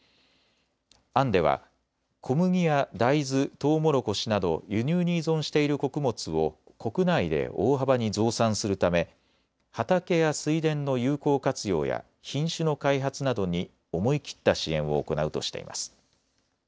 案では、小麦や大豆、トウモロコシなど輸入に依存している穀物を国内で大幅に増産するため畑や水田の有効活用や品種の開発などに思い切った支援を行うとしています。